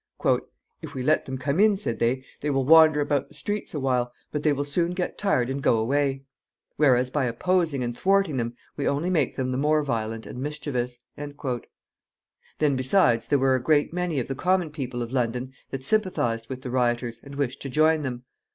"If we let them come in," said they, "they will wander about the streets a while, but they will soon get tired and go away; whereas, by opposing and thwarting them, we only make them the more violent and mischievous." Then, besides, there were a great many of the common people of London that sympathized with the rioters, and wished to join them.